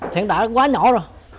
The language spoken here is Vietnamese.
thì đã quá nhỏ rồi